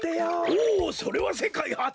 おおそれはせかいはつだな。